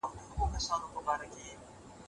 که د هيواد په وړاندې عمل وسي، نو پرمختګ به وي.